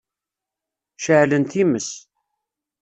Ceɛlen times.